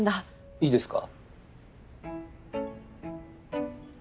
いいですか？